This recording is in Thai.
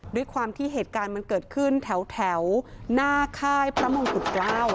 ด้วยความที่เหตุการณ์มันเกิดขึ้นแถวหน้าค่ายพระมงกุฎเกล้า